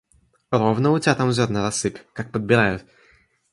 Ровно утятам зерна рассыпь, как подбирают!